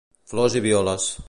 Flors i violes.